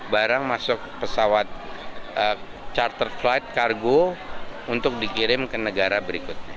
barang masuk pesawat charter flight cargo untuk dikirim ke negara berikutnya